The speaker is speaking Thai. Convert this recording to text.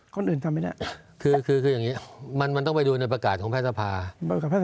คนอื่นทำไหนเนี้ยคือคือคืออย่างงี้มันมันต้องไปดูในประกาศของแพทย์ทรภาค